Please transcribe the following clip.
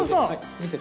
見せて。